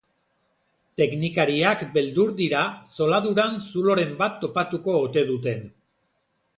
Teknikariak beldur dira zoladuran zuloren bat topatuko ote duten.